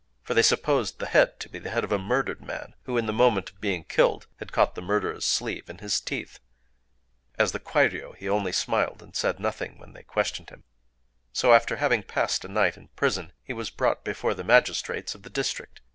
For they supposed the head to be the head of a murdered man who, in the moment of being killed, had caught the murderer's sleeve in his teeth. As for Kwairyō, he only smiled and said nothing when they questioned him. So, after having passed a night in prison, he was brought before the magistrates of the district.